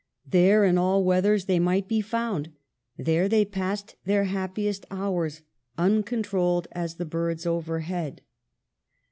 There in all weathers they might be found ; there they passed their happi est hours, uncontrolled as the birds overhead. BABYHOOD.